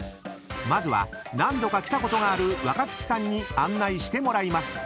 ［まずは何度か来たことがある若槻さんに案内してもらいます］